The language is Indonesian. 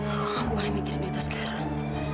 aku gak boleh mikirin itu sekarang